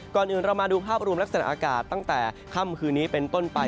ก่อนอื่นเรามาดูภาพรวมลักษณะอากาศตั้งแต่ค่ำคืนนี้เป็นต้นไป